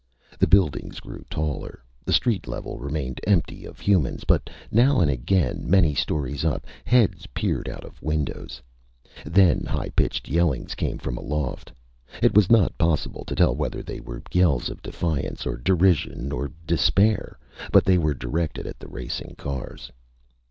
The buildings grew taller. The street level remained empty of humans, but now and again, many stories up, heads peered out of windows. Then high pitched yellings came from aloft. It was not possible to tell whether they were yells of defiance or derision or despair, but they were directed at the racing cars.